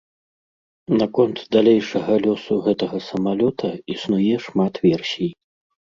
Наконт далейшага лёсу гэтага самалёта існуе шмат версій.